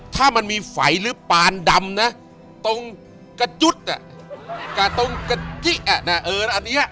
ถ้ามันมีไฝหรือปานดำนะตรงกระจุดเนี่ยกระตรงกระจิ๊กเนี่ย